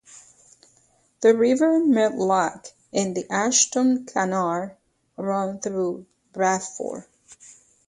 The River Medlock and the Ashton Canal run through Bradford.